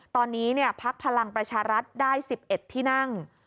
ตอนนี้พักพลังประชารัฐได้๑๑ที่นั่ง